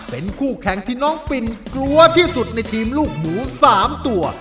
เป็นคู่แข่งที่น้องปินกลัวที่สุดในทีมลูกหมู๓ตัว